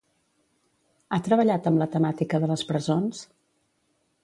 Ha treballat amb la temàtica de les presons?